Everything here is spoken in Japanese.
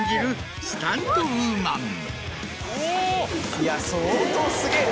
いや相当すげぇな。